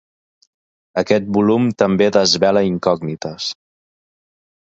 Aquest volum també desvela incògnites.